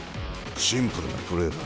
シンプルなプレーだ。